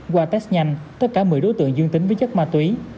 qua test nhanh tất cả một mươi đối tượng dương tính với chất ma túy